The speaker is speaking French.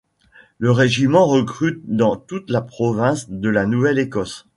Le régiment recrute dans toute la province de la Nouvelle-Écosse.